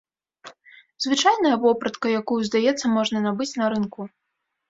Звычайная вопратка, якую, здаецца, можна набыць на рынку.